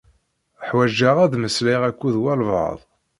Ḥwajeɣ ad mmeslayeɣ akked walbaɛḍ.